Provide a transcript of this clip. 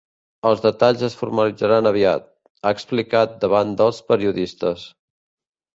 “Els detalls es formalitzaran aviat”, ha explicat davant dels periodistes.